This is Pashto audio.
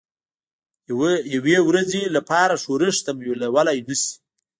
یوې ورځې لپاره ښورښ تمویلولای نه شي.